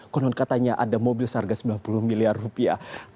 konon katanya ada mobil seharga sembilan puluh miliar rupiah